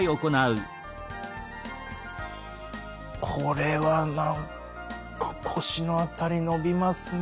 これは何か腰の辺り伸びますね。